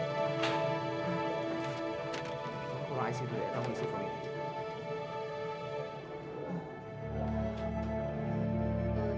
tolong pulangin dulu ya kamu isi form ini